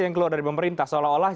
yang keluar dari pemerintah seolah olah